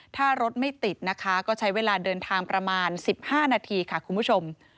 ถ้ารถไม่ติดนะคะก็ใช้เวลาเดินทางประมาณ๑๕นาทีค่ะคุณผู้ชม